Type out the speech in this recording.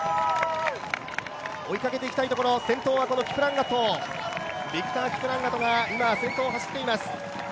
追いかけていきたいところ先頭はこのキプランガトビクター・キプランガトが今、先頭を走っています。